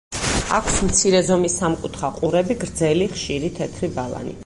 აქვს მცირე ზომის სამკუთხა ყურები, გრძელი, ხშირი, თეთრი ბალანი.